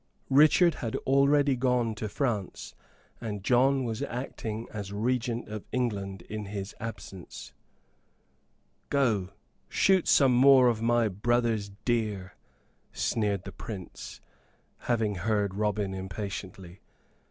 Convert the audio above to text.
Richard had already gone to France, and John was acting as Regent of England in his absence. "Go, shoot some more of my brother's deer," sneered the Prince, having heard Robin impatiently.